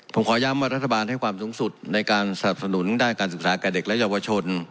ผมขอย้ำว่ารัฐบาลให้ความสูงสุดในการสนับสนุนด้านการศึกษาแก่เด็กและเยาวชน